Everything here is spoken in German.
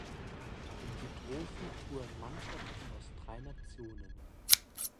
Um die Trophy fuhren Mannschaften aus drei Nationen.